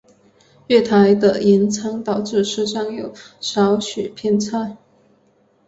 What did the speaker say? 月台的延长导致车站有少许偏差。